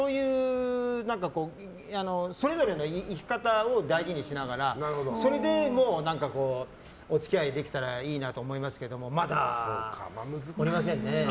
それぞれの生き方を大事にしながらそれでもお付き合いできたらいいなとは思いますけどまだ、おりませんね。